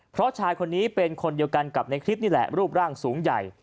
เพราะชายคนนี้เป็นคนเดียวกันกับในคลิปนี่แหละรูปร่างสูงใหญ่